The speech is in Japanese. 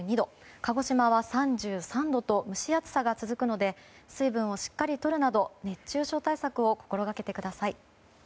鹿児島は３３度と蒸し暑さが続くので水分をしっかりとるなど熱中症対策を心がけてください。